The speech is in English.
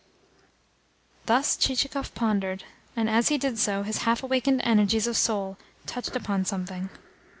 Thus Chichikov pondered; and as he did so his half awakened energies of soul touched upon something.